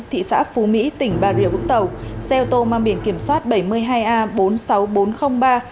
thị xã phú mỹ tỉnh bà rịa vũng tàu xe ô tô mang biển kiểm soát bảy mươi hai a bốn mươi sáu nghìn bốn trăm linh ba